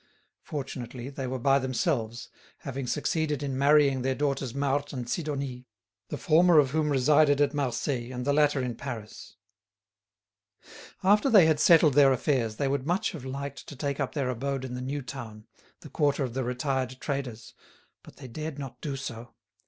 Fortunately, they were by themselves, having succeeded in marrying their daughters Marthe and Sidonie, the former of whom resided at Marseilles and the latter in Paris. After they had settled their affairs they would much have liked to take up their abode in the new town, the quarter of the retired traders, but they dared not do so.